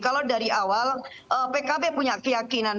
kalau dari awal pkb punya keyakinan